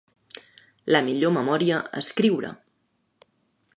La millor memòria: escriure.